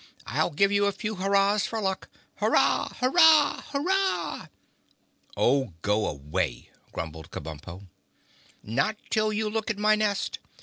"I'll give you a few hurrahs for luck. Hurrah! Hurrah! Hurrah!" "Oh, go away," grumbled Kabumpo. "Not till you look at my nest.